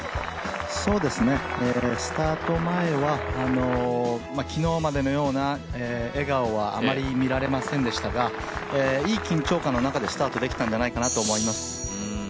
スタート前は昨日までのような笑顔はあまり見られませんでしたがいい緊張感の中でスタートできたんじゃないかと思います。